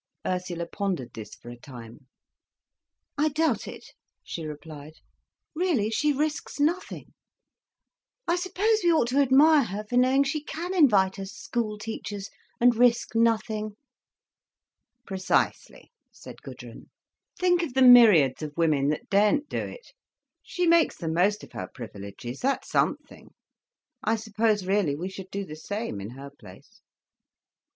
Ursula pondered this for a time. "I doubt it," she replied. "Really she risks nothing. I suppose we ought to admire her for knowing she can invite us—school teachers—and risk nothing." "Precisely!" said Gudrun. "Think of the myriads of women that daren't do it. She makes the most of her privileges—that's something. I suppose, really, we should do the same, in her place."